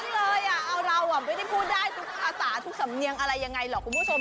เลยเอาเราไม่ได้พูดได้ทุกภาษาทุกสำเนียงอะไรยังไงหรอกคุณผู้ชม